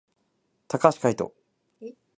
高橋海人